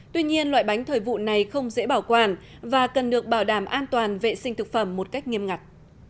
tuy nhiên loại bánh thời vụ này không dễ bảo quản và cần được bảo đảm an toàn vệ sinh thực phẩm một cách nghiêm ngặt